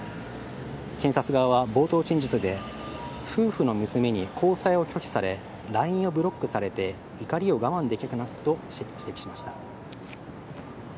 検察側は冒頭陳述で夫婦の娘に交際を拒否されＬＩＮＥをブロックされて怒りを我慢できなくなったと指摘しました。